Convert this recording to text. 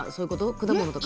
果物とか？